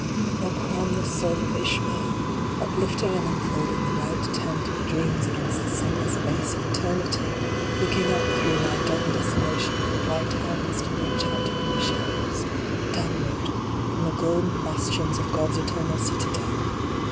I. Q CROWNLESS soul of Ishmael ! Uplifting and unfolding the white tent of dreams against the sunless base of eternity ! Looking up through thy dumb desolation for white hands to reach out over the shadows, downward, from the golden bastions of God s eternal Citadel